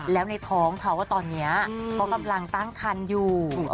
แล้วในท้องเขาตอนนี้เขากำลังตั้งคันอยู่